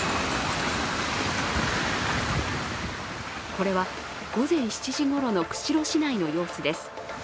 これは午前７時ごろの釧路市内の様子です。